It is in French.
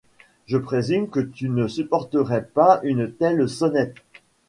Je présume que tu ne supporterais pas une telle sonnette.